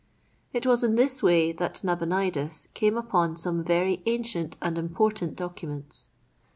It was in this way that Nabonidus came upon some very ancient and important documents.